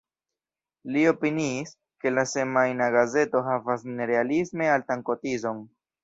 Li opiniis, ke la semajna gazeto havas nerealisme altan kotizon.